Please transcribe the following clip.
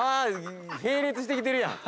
◆並列してきてるやん。